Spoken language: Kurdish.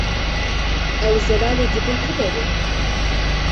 Ew, Zelalê dibin ku derê?